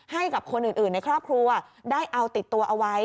ให้กับคนอื่นในครอบครัวได้เอาติดตัวเอาไว้